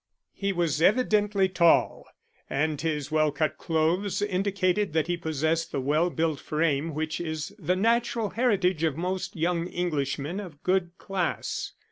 He was evidently tall, and his well cut clothes indicated that he possessed the well built frame which is the natural heritage of most young Englishmen of good class.